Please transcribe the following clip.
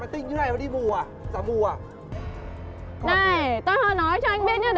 tao cho mày đứng ở kia